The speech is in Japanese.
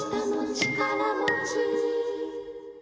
ちからもち？